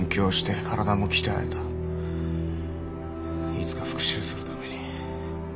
いつか復讐するために。